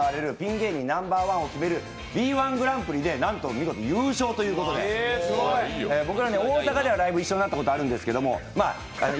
芸人ナンバーワンを決めるＢｅ−１グランプリでなんと見事優勝ということで、僕ら大阪ではライブ一緒になったことがあるんですけど。